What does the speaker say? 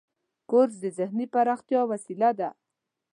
کورس د ذهني پراختیا وسیله ده.